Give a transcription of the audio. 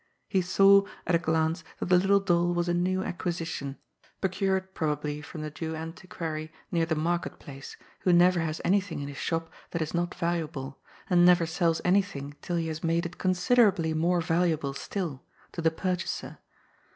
He saw, at a glance, that the little doll was a new acquisition, pro cured, probably, from the Jew antiquary near the Market Place, who never has anything in his shop that is not valu able, and never sells anything till he has made it consider ably more valuable still — to the purchaser.